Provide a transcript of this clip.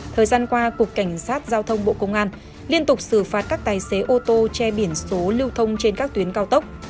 thời gian qua cục cảnh sát giao thông bộ công an liên tục xử phạt các tài xế ô tô che biển số lưu thông trên các tuyến cao tốc